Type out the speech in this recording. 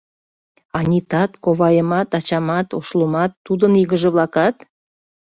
— Анитат, коваемат, ачамат, Ошлумат, тудын игыже-влакат?